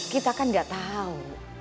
kita kan gak tau